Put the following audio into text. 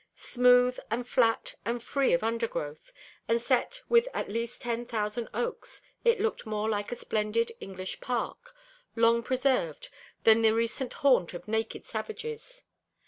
Smooth and flat and free of undergrowth and set with at least ten thousand oaks, it looked more like a splendid English park, long preserved, than the recent haunt of naked savages.